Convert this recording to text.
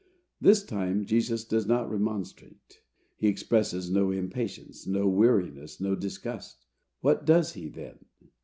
This time Jesus does not remonstrate. He expresses no impatience, no weariness, no disgust. What does he, then?